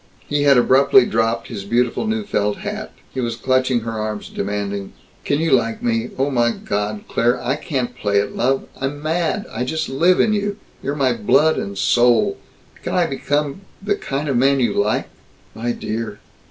He had abruptly dropped his beautiful new felt hat. He was clutching her arms, demanding, "Can you like me? Oh my God, Claire, I can't play at love. I'm mad I just live in you. You're my blood and soul. Can I become the kind of man you like?" "My dear!"